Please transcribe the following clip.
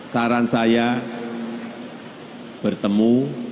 saran saya bertemu